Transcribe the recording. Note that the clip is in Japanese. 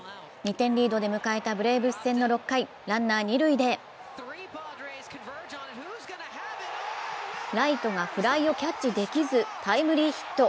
２点リードで迎えたブレーブス戦の６回、ランナー二塁でライトがフライをキャッチできずタイムリーヒット。